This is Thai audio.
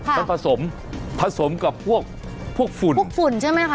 มันผสมผสมกับพวกฝุ่นพวกฝุ่นใช่ไหมคะ